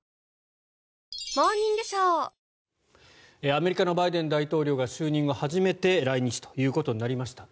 アメリカのバイデン大統領が就任後初めて来日ということになりました。